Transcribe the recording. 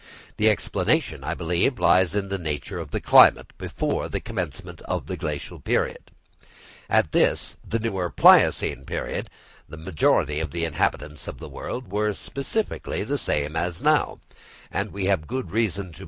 The explanation, I believe, lies in the nature of the climate before the commencement of the Glacial period. At this, the newer Pliocene period, the majority of the inhabitants of the world were specifically the same as now, and we have good reason to believe that the climate was warmer than at the present day.